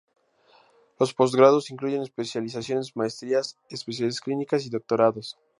Los postgrados incluyen especializaciones, maestrías, especialidades clínicas y doctorados.